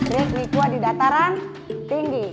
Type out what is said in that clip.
reknik kuat di dataran tinggi